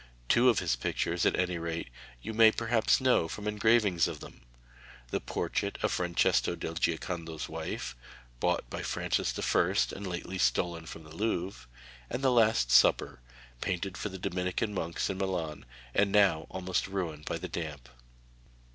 Two of his pictures, at any rate, you may perhaps know from engravings of them the portrait of Francesco del Giocondo's wife, bought by Francis the First and lately stolen from the Louvre, and the Last Supper, painted for the Dominican monks in Milan, and now almost ruined by the damp.